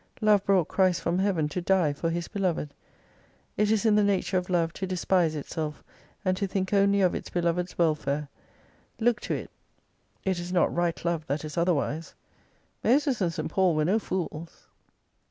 Love brought Christ from Heaven to die for His beloved. It is in the nature of love to despise itself, and to think only of its beloved's welfare. Look to it, it is not right love that is otherwise. Moses and St. Paul were no fools.